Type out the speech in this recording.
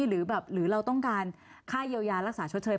หรือแบบหรือเราต้องการค่าเยียวยารักษาชดเชย